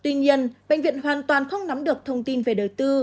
tuy nhiên bệnh viện hoàn toàn không nắm được thông tin về đời tư